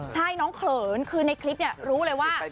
ใช่น้องเขินคือในคลิปเนี่ยรู้เลยว่า